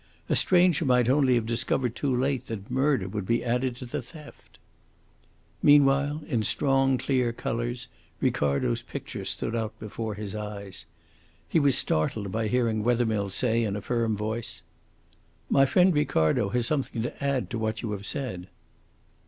A stranger might only have discovered too late that murder would be added to the theft." Meanwhile, in strong, clear colours, Ricardo's picture stood out before his eyes. He was startled by hearing Wethermill say, in a firm voice: "My friend Ricardo has something to add to what you have said."